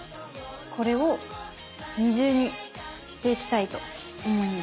これを２重にしていきたいと思います。